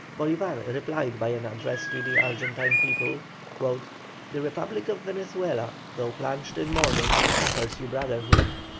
Bolívar replied by an address to the Argentine people: "The Republic of Venezuela, though plunged in mourning, offers you brotherhood.